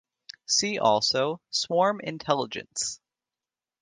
See also swarm intelligence.